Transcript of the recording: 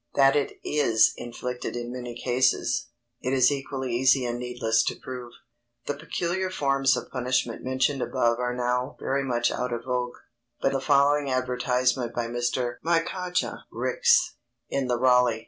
That it is inflicted in many cases, it is equally easy and needless to prove. The peculiar forms of punishment mentioned above are now very much out of vogue, but the following advertisement by Mr. Micajah Ricks, in the Raleigh (N.